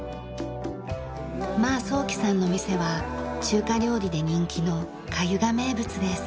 馬双喜さんの店は中華料理で人気のかゆが名物です。